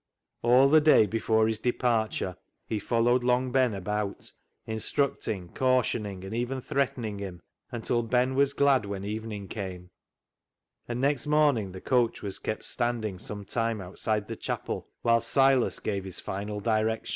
All the day before his departure he followed Long Ben about, instructing, cautioning, and even threatening him, until Ben was glad when evening came ; and next morning the coach was kept standing some time outside the chapel, whilst Silas gave his final directions.